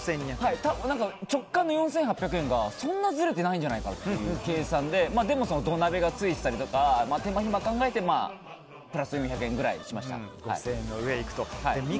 はい、直感の４８００円がそんなずれてないんじゃないかという計算ででも土鍋がついてたりとか手間暇を考えてプラス４００円ぐらいにしました。